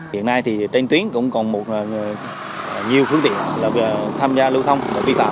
hiện nay thì trên tuyến cũng còn nhiều phương tiện tham gia lưu thông và vi phạm